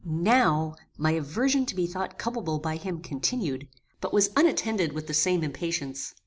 Now my aversion to be thought culpable by him continued, but was unattended with the same impatience.